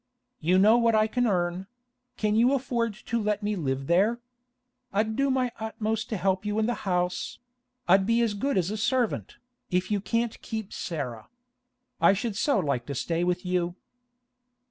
You know what I can earn; can you afford to let me live there? I'd do my utmost to help you in the house; I'll be as good as a servant, if you can't keep Sarah. I should so like to stay with you!